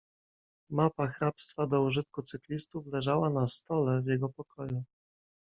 "Mapa hrabstwa do użytku cyklistów leżała na stole w jego pokoju."